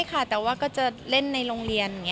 ก็จะเล่นในโรงเรียน